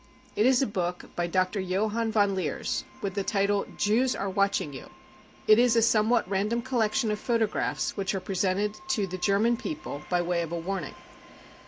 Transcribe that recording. It j is a book by Dr. Johann von Leers, with the title Jews I are Watching Tou ! It is a somewhat random collection of photographs which are presented to " the German people " by way of a warning.